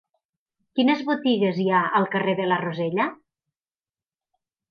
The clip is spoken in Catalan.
Quines botigues hi ha al carrer de la Rosella?